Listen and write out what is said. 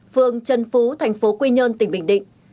phương trân phú thành phố quy nhơn tỉnh bình định